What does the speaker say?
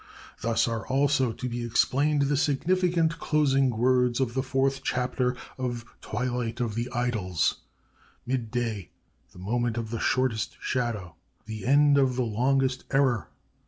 Thus are also to be explained the significant closing words of the fourth chapter of 'Twilight of the Idols': 'Mid day: the moment of the shortest shadow; the end of the longest error.